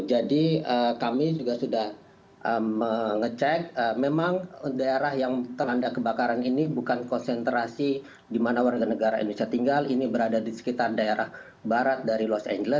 jadi kami juga sudah mengecek memang daerah yang terlandak kebakaran ini bukan konsentrasi di mana warga negara indonesia tinggal ini berada di sekitar daerah barat dari los angeles